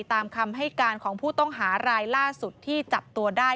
ตามคำให้การของผู้ต้องหารายล่าสุดที่จับตัวได้